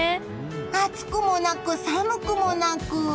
暑くもなく、寒くもなく。